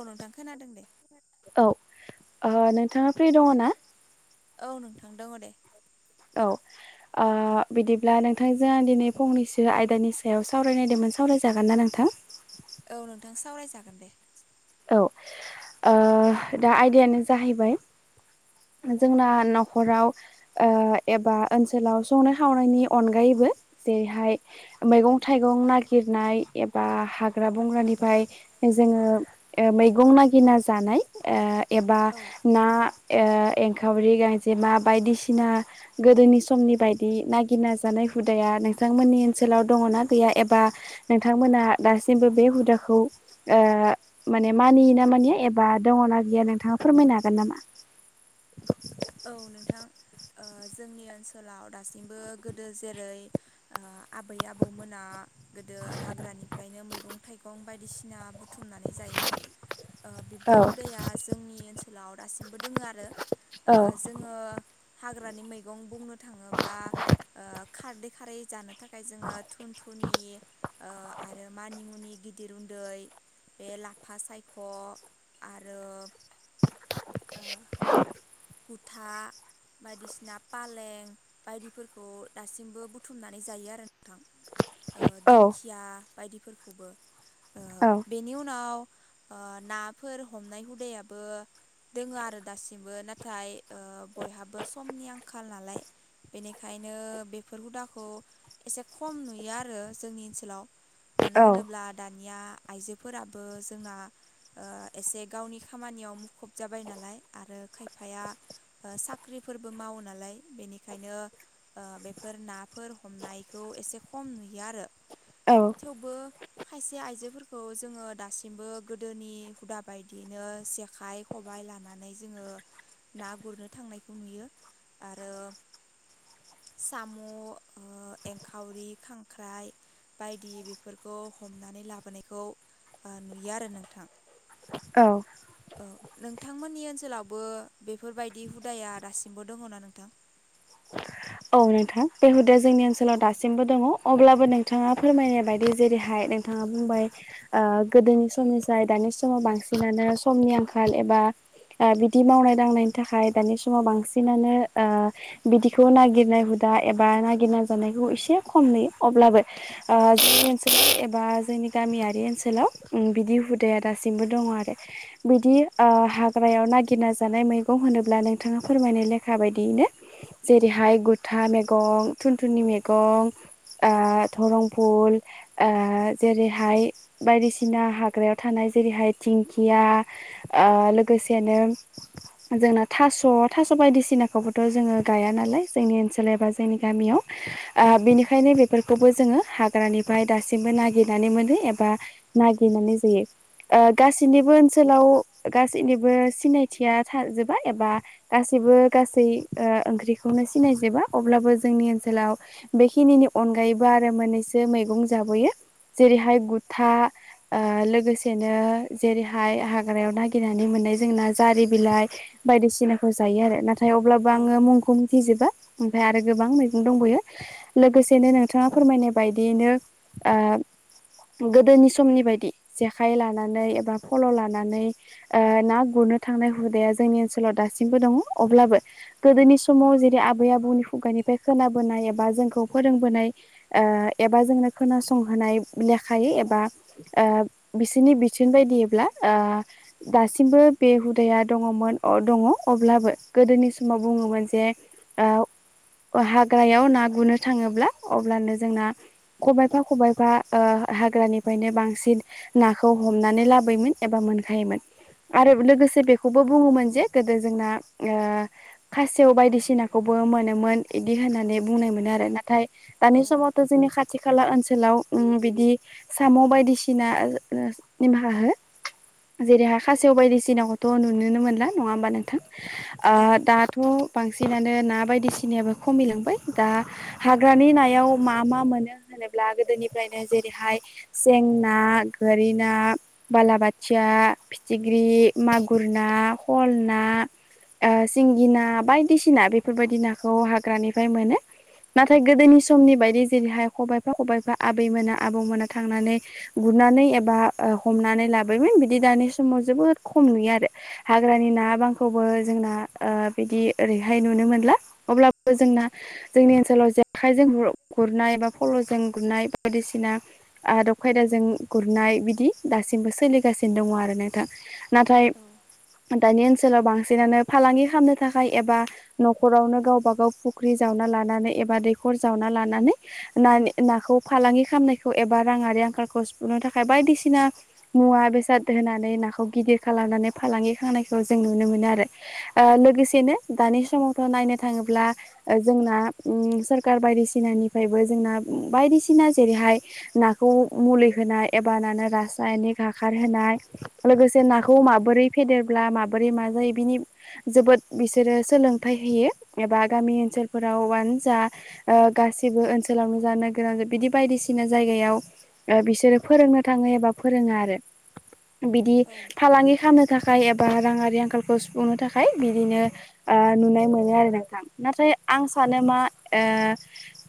अ नोंथां खोनादों दे औ नोंथाङा फ्रि दङ ना औ नोंथां दङ दे औ ओ बिदिब्ला नोंथांजों दिनै फंनैसो आयदानि सायाव सावरायनायदोंमोन सावरायजागोन ना नों नोंथां औ नोंथां सावरायजागोन दे औ ओ दा आयदायानो जाहैबाय जोंना न'खराव ओ एबा ओनसोलाव संनाय खावनायनि अनगायैबो जेरैहाय मैगं थाइगं नागिरनाय एबा हाग्रा बंग्रानिफ्राय जोङो ओ मैगं नागिना जानाय ओ एबा औ ना ओ एंखावरि गांजेमा बायदिसिना गोदोनि समनि बायदि नागिरना जानाय हुदाया नोंथांमोननि ओनसोलाव दङना गैया एबा नोंथांमोना दासिमबो बे हुदाखौ ओ माने मानियो ना मानिया एबा दङना गैया नोंथाङा फोरमायनो हागोन नामा औ नोंथां ओ जोंनि ओनसोलाव दासिमबो गोदो जेरै ओ आबै आबौमोना गोदो हाग्रानिफ्रायनो मैगं थाइगं बायदिसिना बुथुमनानै जायोमोन ओ औ बिब्दि हुदाया जोंनि ओनसोलाव दासिमबो दोङो आरो ओ औ जोङो हाग्रानि मैगं बुंनो थाङोब्ला ओ खारदै खारै जानो थाख थाखाय जोङो थुन थुनि ओ आरो मानि मुनि गिदिर उन्दै बे लाफा सायख' आरो ओ कुथा बायदिसिना फालें बायदिफोरखौ दासिमबो बुथुमनानै जायो आरो नोंथां ओ औ दिंखिया बायदिफोरखौबो ओ औ बेनि उनाव ओ नाफोर हमनाय हुदायाबो दोङो आरो दासिमबो ना नाथाय ओ बयहाबो समनि आंखाल नालाय बेनिखायनो बेफोर हुदाखौ एसे खम नुयो आरो जोंनि ओनसोलाव मानो औ होनोब्ला दा दानिया आइजोफोराबो जोंना ओ एसे गावनि खामानियाव मुखुब जाबाय नालाय आरो खायफाया ओ साख्रिफोरबो मावो नालाय बेनिखायनो ओ बेफोर नाफोर हमनायखौ एसे खम नुयो आरो औ थेवबो खायसे आइजोफोरखौ जोङो दासिमबो गोदोनि हुदा बायदियैनो जेखाइ खबाइ लानानै जोङो ना गुरनो थांनायखौ नुयो आरो साम' ओ एंखावरि खांख्राइ बायदि बेफोरखौ हमनानै लाबोनायखौ ओ नुयो आरो नोंथां औ औ नोंथांमोननि ओनसोलावबो बेफोरबायदि हुदाया दासिमबो दङना नोंथां [inaudible] औ नोंथां बे हुदाया जोंनि ओनसोलाव दासिमबो दङ अब्लाबो नोंथाङा फोरमायनाय बायदि जेरैहाय नोंथाङा बुंबाय ओ गोदोनि समनि स्राय दानि समाव बांसिनानो समनि आंखाल एबा ओ बिदि मावनाय दांनायनि थाखाय दानि समाव बांसिनानो ओ बिदिखौ नागि गिरनाय हुदा एबा नागिरनाय जानायखौ एसे खम नुयो अब्लाबो ओ जोंनि ओनसोलनि बा जोंनि गामियारि ओनसोलाव बिदि हुदाया दासिमबो दङ आरो बिदि ओ हाग्रायाव नागिरना जानाय मैगं होनोब्ला नोंथाङा फोरमायनाय लेखा बायदियैनो जेरैहाय गुथा मेगं थुन थुननि मेगं ओ धरं फुल ओ जेरैहाय बायदिसिना हाग्रायाव थानाय जेरैहाय धिंखिया ओ लोगोसेनो जोंना थास' थास स' बायदिसिनाखौबोथ' जोङो गाया नालाय जोंनि ओनसोल एबा जोंनि गामियाव बेनिखायनो बेफोरखौबो जोङो हाग्रानिफ्राय दासिम नागिरनानै मोनो एबा नागिरनानै जायो गासैनिबो ओनसोलाव गासैनिबो सिनायथिया थाजोबा एबा गास बो गासै ओ ओंख्रिखौ खौनो सिनाय जोबा अब्लाबो जोंनि ओनसोलाव बेखिनि अनगायैबो आरो मोननैसो मैगं जाबा बयो जेरैहाय गुथा ओ लोगोसेनो जेरैहाय हाग्रायाव नागिरनानै मोन नाय जोंना जारि बिलाइ बायदिसि ना खौ जायो आरो नाथाय अब्लाबो औ आं मुंखौ मिथिजोबा ओमफाय आरो गोबां मैगं दंबयो लोगोसेनो नोंथाङा फोरमायनाय बायदियैनो आ गोदोनि समनि बायदि जेखाइ लानानै एबा फल' लानानै ओ ना गुर नों थांनाय हुदाया जोंनि ओनसोलाव दासिमबो दङ अब्लबो गोदोनि समाव जेरै आबै आबौनि खुगानिफ्राय खोनाबोनाय एबा जोंखौ फोरोंबोनाय ओ एबा जोंना खोनासंहोनाय लेखायै एबा ओ बिसोरनि बिथोन बायदियैब्ला ओ दासिमबो बे हुदाया दङमोन दङ अब्लाबो गोदोनि समाव बुङोमोन जे हाग्रायाव ना गुरनो थाङोब्ला अब्लानो जोंना। खबाइफा खबाइफा ओ हाग्रानिफायनो बांसिन नाखौ हमनानै लाबोयोमोन एबा मोनखायोमोन आरो लोगोसे बेखौबो बुङोमोन जे गोदो जोंना खायसे व खासेव मोनोमोन बिदि होननानै बुङोमोन आरो नाथाय औ दानि समावथ' जोंनि खाथि खाला ओनसोलाव बिदि औ बायदिसिनाखौबो मोनोमोन इदि होननानै बुंनाय मोनो आरो नाथाय दानि समावथ' जोंनि खाथि। खाथि खाला ओनसोलाव ओम बिदि साम' बायदिसिना निमाहा हो जेरैहाय खासेव बायदिसिनाखौथ' नुोनो मोनला नङा होमबा नोंथां। ओ दाथ'। बांसिनानो ना बायदिसिनायाबो खमिलांबाय दा हाग्रानि नायाव मा मा मोनो? होनोब्ला गोदोनिफ्रायनो जेरैहाय सें ना गोरि ना बालाबाथिया फिथिगरि मागुर ना खल ना सिंगि ना बायदि सिना बेफोरबायदि नाखौ हाग्रानिफ्राय मोनो। नाथाय गोदोनि समनि बायदि जेरैहाय खबायाइफा खबाइफा आबैमोना आबौमोना थांनानै गु नुनानै एबा हमनानै लाबोमोन बिदि दानि समाव जोबोद खम नुयो आरो हाग्रानि ना। बांखौबो जोंना बिदि। ओरैहाय नुनो मोनला अब्लाबो जोंना जोंनि ओनसोलाव जेखाइजों गुरनाय बा फल'। जों गुरनाय बायदिसिना आदब खायदाजों गुरनाय बिदि दासिमबो सोलिगासिनो दं। दङ आरो नोंथां नाथाय दानि ओनसोलाव बांसिनानो फालांगि खालामनो थाखाय। खाय एबा न'खरावनो गावबा गाव फुख्रि जावना लानानै एबा दैखर जावना लानानै। नानि-नाखौ फालांगि खालामनायखौ एबा राङारि आंखालखौ सुफुंनो थाखाय बायदिसिना मुवा। बेसाद होनानै नाखौ गिदिर खालामनानै फालांगि खामनायखौ जों नुनो मोनो आरो ओ लोगोसे। नो दानि समावथ' नायनो थाङोब्ला ओ जोंना ओम सोरखार बायदिसिनानिफ्रायबो जों। जोंना बायदिसिना जेरैहाय नाखौ मुलि होनाय एबा रासायनिरिक हाखार। होनाय लोगोसे नाखौ माबोरै फेदेरब्ला माबोरै मा जायो बिनि जोबोद। बिसोरो सोलोंथाइ होयो एबा गामि ओनसोलफोरावानो जा ओ गासिबो ओनसोल। लांजनो गोनां बिदि बायदिसिना जायगायाव ओ बिसोरो फोरोंनो थाङो एबा फोरोङो आरो। [unintelligible] बिदि फालांगि खालामनो थाखाय एबा राङारि आंखालखौ सुफुंनो थाखाय बिदिनो। ओ नुनाय मोनो आरो नोंथां नाथाय आं सानो मा ओ।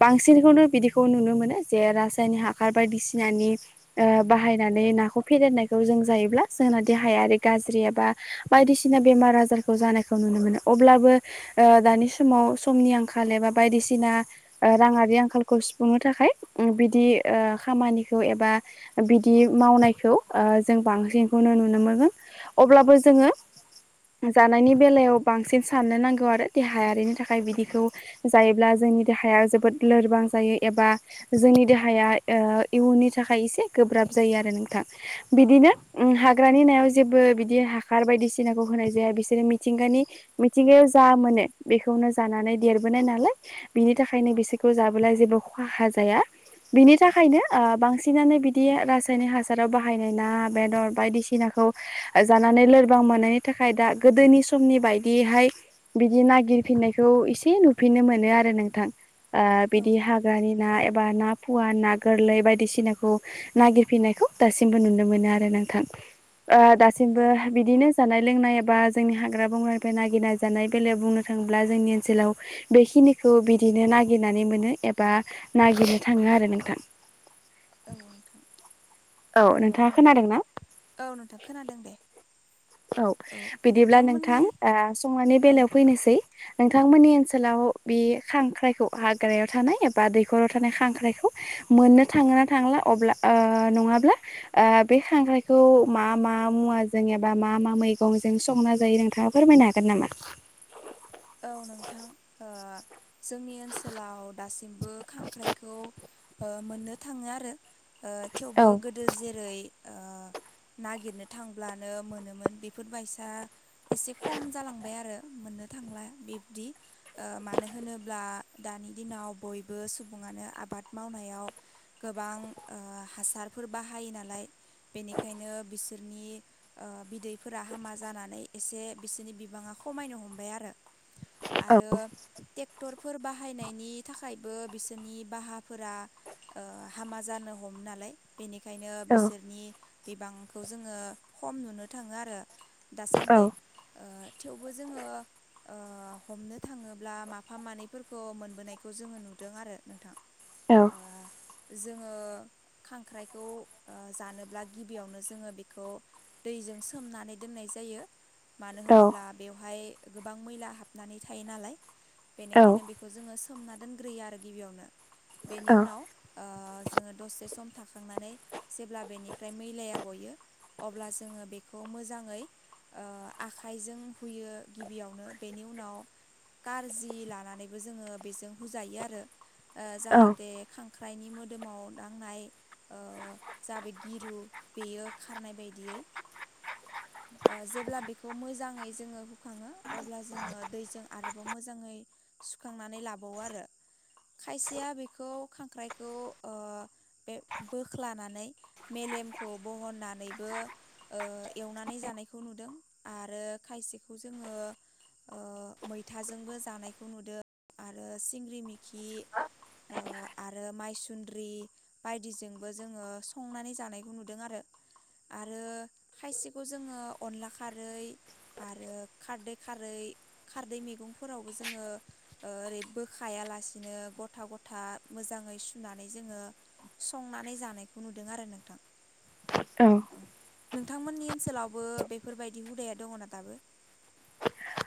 बांसिनखौनो बिदिखौ नुनो मोनो जे रासायनिक हासार बायदिसिनानि ओ बाहायनाय। नानै नखौ फेदेरनायखौ जों जायोब्ला जोंना देहायारि गाज्रि एबा बायदिसिना बेमार आजार। खौ जानायखौ नुनो मोनो। अब्लाबो ओ दानि समाव समनि आंखाल एबा बायदिसिना ओ राङारि आंखालखौ। सुफुंनो थाखाय उ बिदि ओ खामानिखौ एबा बिदि मावनायखौ ओ जों बांसिनखौनो नुनो मोनो अब्लाबो जोङो जानायनि बेलायाव बांसिन साननो नांगौ आरो देहायारिनि थाखाय बिदिखौ जायोब्ला जोंनि देहाया जोबोद लोरबां। जायो एबा जोंनि देहाया ओ इयुननि थाखाय एसे गोब्राब जायो आरो नोंथां। बिदिनो उ हाग्रानि नायाव जेबो बिदि हासार बायदिसिनाखौ होनाय जाया बिसोरो मिथिंगानि मिथिंगायाव जा मोनो बेखौनो जानानै देरबोनाय नालाय बिनि थाखायनो बिसोरखौ जाबोला जे जेबो खहा जाया। बिनि थाखायनो ओ बांसिनानो बिदि रासायनिक हासाराव बाहायनाय ना बेदर बायदिसिनाखौ खौ जानानै लोरबां मोनोयनि थाखाय दा गोदोनि समनि बाय एसार बिदि नागिरफिननायखौ एसे नुफिननो मोनो आरो नोंथां। ओ बिदि हाग्रानि ना एब बा ना पुवा ना गोरलै बायदिसिनाखौ नागिरफिनायखौ दासिमबो नुनो मोनो आरो नोंथां। [unintelligible] ओ दासिमबो औ बिदिनो जानाय लोंनाय एबा जोंनि हाग्रा बंग्रा फ्राय नागिरना जानाय बेलायाव बुंनो थाङोब्ला जोंनि ओनसोलाव बेखिनिखौ बिदिनो नागिरनानै मोनो एबा नागिरनो थाङो आरो नोंथां। [unintelligible] औ नोंथां औ ओ नोंथाङा नों खोनादों ना औ नोंथां खोनादों दे। औ बिदिब्ला नोंथां ओ संनायनि औ बेलायाव फैनोसै। नोंथांमोननि ओनसोलाव बे खांख्राइखौ हाग्रायाव थानाय एबा दैखराव थानाय खांख्राइखौ मोननो थांओना थांला अब्ला ओ नङाब्ला बे खांख्रायखौ मा मा मुाजों एबा मा मा मैगंजों संना जायो नोंथाङा फोरमायनो हागोन नामा औ नोंथां ओ जोंनि ओनसोलाव दासिमबो खांख्राइखौ ओ मोननो थाङो आरो ओ थेवबो औ गोदो जेरै ओ नागिरनो थांब्लानो मोनोमोन बेफोरबायसा एसे खम जालांबाय आरो मोननो थांला बिब्दि ओ मानो होनोब्ला दानि दिनाव बयबो सुबुङानो आबाद मावनाय याव गोबां ओ हासारफोर बाहायो नालाय बेनिखायनो बिसोरनि ओ बिदैफोरा हामा जानानै एसे बिसोरनि बिबाङा खमायनो हमबाय आरो आरो औ ट्रेक्टरफोर बाहायनायनि थाखायबो बिसोरनि भाहाफोरा ओ हामा जानो हमो नालाय बेनिखायनो औ बिसोरनि बिबांखौ जोङो खम नुनो थाङो आरो। दासान्दि ओ थेवबो जोङो ओ हमनो थाङोब्ला माफा मानैफोरखौ मोनबोनायखौ जोङो नुदों आरो नोंथां औ ओ जोङो खांख्राइखौ ओ जानोब्ला गिबियावनो जोङो बेखौ दैजों सोमनानै दोननाय जायो मानो औ होनोब्ला बेवहाय गोबां मैला हाबनानै थायो नालाय बेनिखायनो बेखौ जोङो सोमना दोनग्रोयो आरो गिबियावनो बेनि औ उनाव ओ जोङो दसे सम थाखांनानै जेब्ला बेनिफ्राय मैलाया गयो अब्ला जोङो बेखौ मोजाङै ओ आखाइजों हुयो। गिबियावनो बेनि उनाव कारजि लानानैबो जोङो बेजों हुजायो आरो ओ औ जाहाथे खां खांख्राइनि मोदोमाव दांनाय ओ जा बे गिरु बेयो खारनाय बायदियै ओ जेब्ला बेखौ मोजाङै जोङो सुखाङो अब्ला जोङो दैजों आरोबाव मोजाङै सुखांनानै लाबावो आरो। खायसेया बेखौ खांख्राइखौ ओ बे बोख्लानानै मेलेमखौ बहननानैबो ओ एवनानै जा नायखौ नुदों आरो खायसेखौ जोङो ओ मैथाजोंबो जानायखौ नुदों आरो सिंग्रि मिखि ओ आरो मायसुन्द्रि बायदिजोंबो जोङो संनानै जानायखौ नुदों आरो आरो खायसेखौ जोङो अनला खारै आरो खारदै खारै खारदै मैगंफोरावबो जोङो ओ ओरै बोखायालासिनो गथा गथा मोजाङै सुनानै जोङो संनानै जानायखौ नुदों आरो नोंथां। ओं नोंथांमोननि ओनसोलावबो बेफोरबायदि हुदाया दङना दाबो?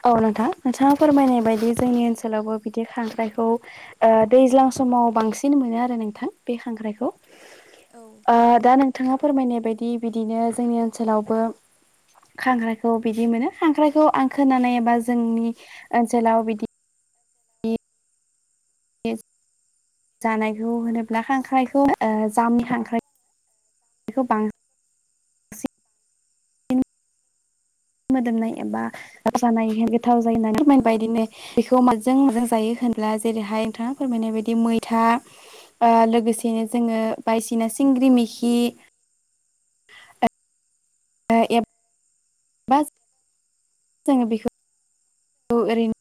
औ नोंथां नोंथाङा फोरमायनाय बायदि जोंनि ओनसोलावबो बिदि खांख्राइखौ ओ दैज्लां समाव बांसिन मोनो आरो नोंथां बे खांख्रायखौ औ ओ दा नों नोंथाङा फोरमायनाय बायदि बिदिनो जोंनि ओनसोलावबो खांख्राइखौ बिदि मोनो खांख्राइखौ आं खोनानायबा जोंनि ओनसोलाव बिदि जानायखौ होनोब्ला खांख्राइखौ ओ जामुनि खांख्राइ बेखौ बां सिन मोदोमनाय एबा जानाय गोथाव जायो होननानै औ बादिनो बेखौ माजों माजां जायो होनब्ला जेरैहाय नोंथाङा फोरमायनाय बायदि मैथा ओ लोगोसेनो जोङो बायदिसिना सिंग्रि मेखि [inaudible] [unintelligible] जोङो बेखौ औ ओरैनो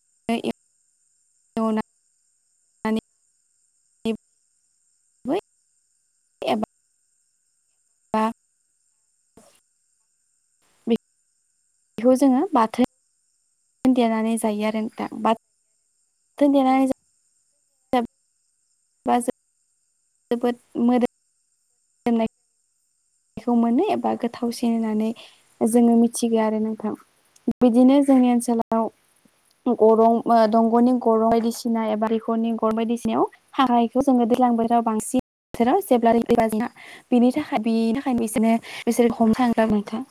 [inaudible] [unintelligible] एबा बा बे खौ जोङो बाथोन देनानै जायो आरो नोंथां बा थोन औ देनानै जायो। बा जोबोद मोजनाय थावनायखौ मोनो एबा गोथावसिन होननानै जोङो मिथिबाय आरो नोंथां। बिदिनो जोंनि ओनसोलाव गरं ओ दंग'नि गरं बायदिसिना एबा दैखरनि गरं बायदिसिना एबा दैखरनि गर बायदिसिनायाव थानायखौ जोंङो दैज्लां बोथोराव बांसिन बोथोराव जेब्ला बेनि थाखाय बेनो बिसोनो बिसोर हम थांङो नोंथां।